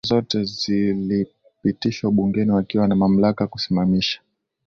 sharia zote zilizopitishwa bungeni wakiwa na mamlaka kusimamisha